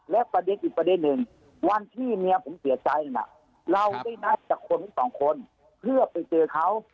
และประเด็นอีกประเด็นหนึ่งวันที่เมียผมเสียใจน่ะเราได้นัดจากคนทั้งสองคนเพื่อไปเจอเขา